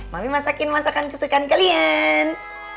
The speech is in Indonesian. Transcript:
mami masakin masakan kesukaan kalian